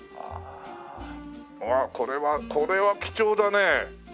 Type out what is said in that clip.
これはこれは貴重だね。